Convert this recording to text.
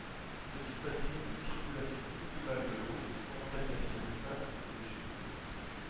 Ceci facilite une circulation optimale de l'eau sans stagnation néfaste aux végétaux.